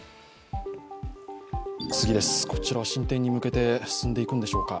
こちら、進展に向けて進んでいくんでしょうか。